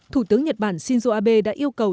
thủ tướng nhật bản shinzo abe đã yêu cầu